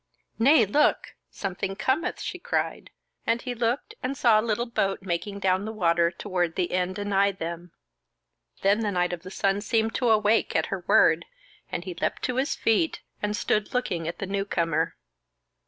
"Nay, look! something cometh," she cried; and he looked and saw a little boat making down the water toward the end anigh them. Then the Knight of the Sun seemed to awake at her word, and he leapt to his feet, and stood looking at the new comer.